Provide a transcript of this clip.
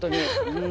うん。